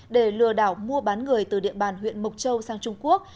để lừa đảo mua bán người từ địa bàn huyện mộc châu sang trung quốc